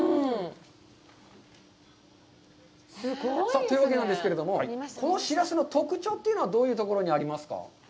さあ、というわけなんですけれども、このしらすの特徴というのはどういうところにありますか？